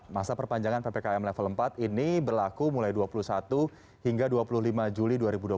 masa perpanjangan ppkm level empat ini berlaku mulai dua puluh satu hingga dua puluh lima juli dua ribu dua puluh satu